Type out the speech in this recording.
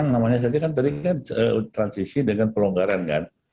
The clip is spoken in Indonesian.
namanya tadi kan transisi dengan pelonggaran kan